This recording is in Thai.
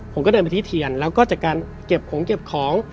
ผมก็เดินไปที่เทียนแล้วก็จากการเก็บของเก็บของ